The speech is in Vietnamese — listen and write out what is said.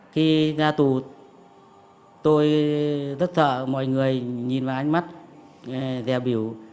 khi ra tù tôi rất sợ mọi người nhìn vào ánh mắt rèo biểu